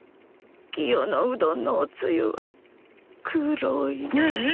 キヨのうどんのおつゆは黒い。